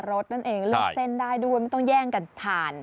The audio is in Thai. สนั่นเองเลือกเส้นได้ด้วยไม่ต้องแย่งกันทาน